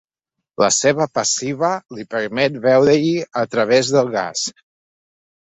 La seva passiva li permet veure-hi a través del gas.